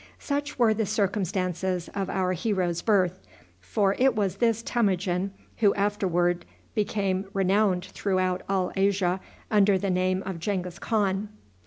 ] Such were the circumstances of our hero's birth, for it was this Temujin who afterward became renowned throughout all Asia under the name of Genghis Khan.